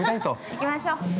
◆行きましょう。